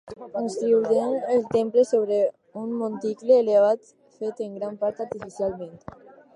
Construïren el temple sobre un monticle elevat fet en gran part artificialment.